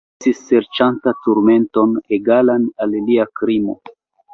Mi estis serĉanta turmenton egalan al lia krimo.